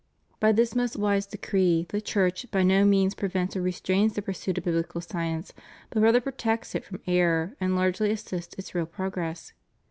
^ By this most wise decree the Church by no means prevents or restrains the pursuit of biblical science, but rather protects it from error, and largely assists its real progress.